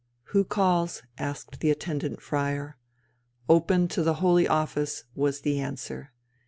"Who calls?" asked the attendant friar. "Open to the Holy Office," was the answer.